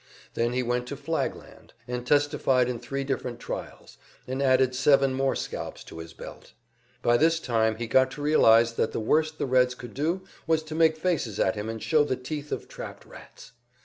Then he went to Flagland, and testified in three different trials, and added seven more scalps to his belt. By this time he got to realize that the worst the Reds could do was to make faces at him and show the teeth of trapped rats.